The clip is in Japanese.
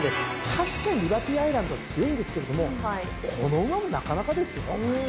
確かにリバティアイランドは強いんですけれどもこの馬もなかなかですよ。